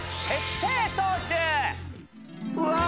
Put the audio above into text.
うわ！